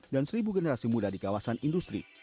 seribu generasi muda di kawasan industri